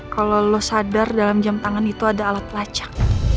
kalau lo sadar dalam jam tangan itu ada alat lacak